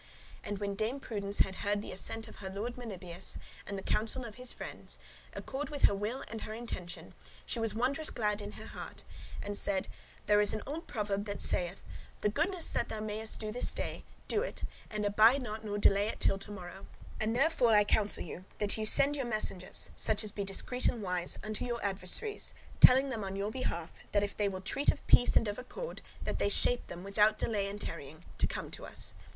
And when Dame Prudence had heard the assent of her lord Melibœus, and the counsel of his friends, accord with her will and her intention, she was wondrous glad in her heart, and said: "There is an old proverb that saith, 'The goodness that thou mayest do this day, do it, and abide not nor delay it not till to morrow:' and therefore I counsel you that ye send your messengers, such as be discreet and wise, unto your adversaries, telling them on your behalf, that if they will treat of peace and of accord, that they shape [prepare] them, without delay or tarrying, to come unto us."